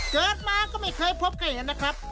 เกิดมาก็ไม่เคยพบกันน่ะครับ